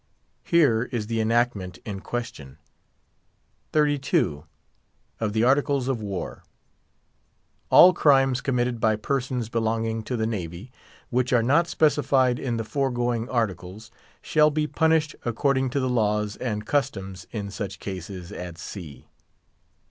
Here is the enactment in question. XXXII. Of the Articles of War.—"All crimes committed by persons belonging to the Navy, which are not specified in the foregoing articles, shall be punished according to the laws and customs in such cases at sea."